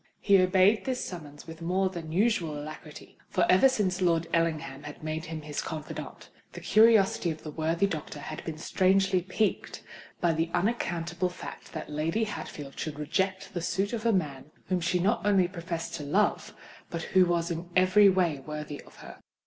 He obeyed this summons with more than usual alacrity; for ever since Lord Ellingham had made him his confidant, the curiosity of the worthy doctor had been strangely piqued by the unaccountable fact that Lady Hatfield should reject the suit of a man whom she not only professed to love, but who was in every way worthy of her.